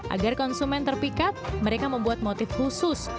agar konsumen terpikat mereka membuat motif khusus